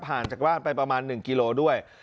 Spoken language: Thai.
จากบ้านไปประมาณ๑กิโลด้วย